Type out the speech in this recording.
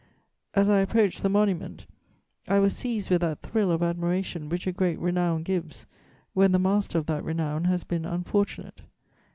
As I approached the monument, I was seized with that thrill of admiration which a great renown gives, when the master of that renown has been unfortunate.